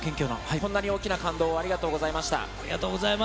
こんなに大きな感動をありがありがとうございます。